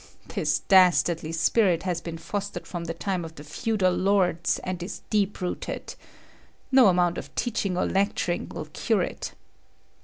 This dastardly spirit has been fostered from the time of the feudal lords, and is deep rooted. No amount of teaching or lecturing will cure it.